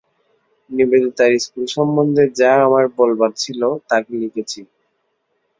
নিবেদিতার school সম্বন্ধে যা আমার বলবার ছিল, তাকে লিখেছি।